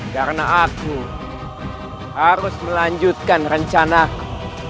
karena aku harus melanjutkan rencanaku